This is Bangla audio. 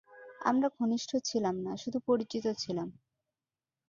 আমরা ঘনিষ্ঠ ছিলাম না, শুধু পরিচিত ছিলাম।